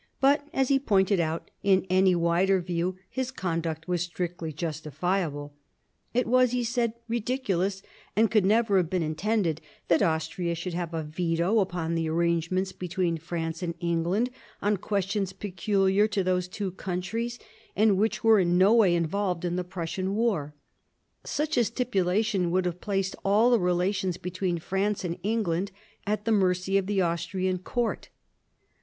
But, as he pointed out, in any wider view his conduct was strictly justifiable. It was, he said, ridiculous, and could never have been intended, that Austria should have a veto upon the arrangements between France and England on questions peculiar to those two countries, and which were in no way involved in the Prussian war; such a stipulation would have placed all the relations between France and England at the mercy of the Austrian court.